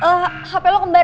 eh hp lo kembar